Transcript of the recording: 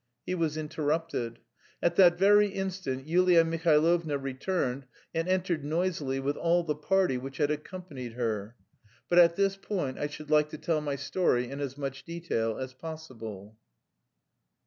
He was interrupted. At that very instant Yulia Mihailovna returned and entered noisily with all the party which had accompanied her. But at this point I should like to tell my story in as much detail as possible.